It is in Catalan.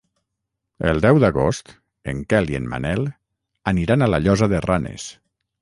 El deu d'agost en Quel i en Manel aniran a la Llosa de Ranes.